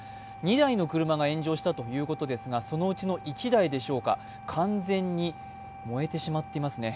２台の車が炎上したということですがそのうちの１台でしょうか完全に燃えてしまっていますね。